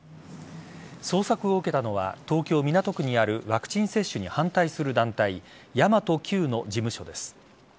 捜索を受けたのは東京・港区にあるワクチン接種に反対する団体神真都Ｑの事務所です。